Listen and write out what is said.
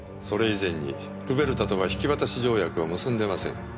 それ以前にルベルタとは引渡条約を結んでません。